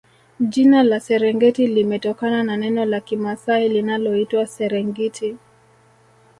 Jina la Serengeti limetokana na neno la kimasai linaloitwa Serengiti